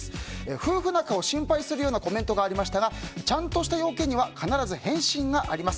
夫婦仲を心配するようなコメントがありましたがちゃんとした用件には必ず返信があります。